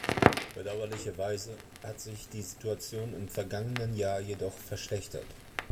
Bedauerlicherweise hat sich die Situation im vergangenen Jahr jedoch verschlechtert.